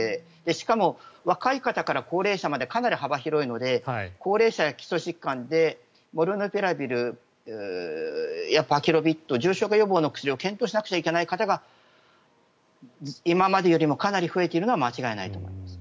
しかも、若い方から高齢者までかなり幅広いので高齢者や基礎疾患でモルヌピラビルやパキロビッドなど重症化予防の薬を検討しなきゃいけない方が今までよりもかなり増えているのは間違いないと思います。